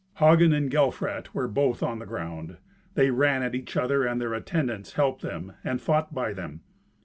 Hagen and Gelfrat were both on the ground. They ran at each other, and their attendants helped them and fought by them.